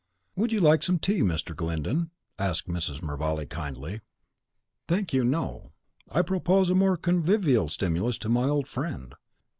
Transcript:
"Would you like some tea, Mr. Glyndon?" asked Mrs. Mervale, kindly. "Thank you, no. I propose a more convivial stimulus to my old friend.